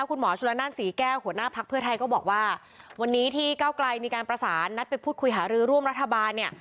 คุณหมอชุลนั่นศรีแก้วหัวหน้าภักดิ์เพื่อไทยก็บอกว่าวันนี้ที่เก้าไกลมีการประสานนัดไปพูดคุยหารือร่วมรัฐบาลเนี่ย